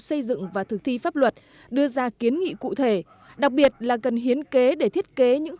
xây dựng và thực thi pháp luật đưa ra kiến nghị cụ thể đặc biệt là cần hiến kế để thiết kế những